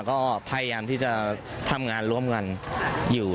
ก็พยายามที่จะทำงานร่วมกันอยู่